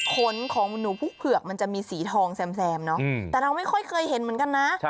ขนของหนูพุกเผือกมันจะมีสีทองแซมเนาะแต่เราไม่ค่อยเคยเห็นเหมือนกันนะ